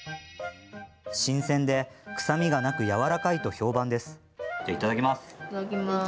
新鮮で臭みがなくやわらかいと評判です。